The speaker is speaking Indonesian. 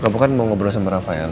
kamu kan mau ngobrol sama rafael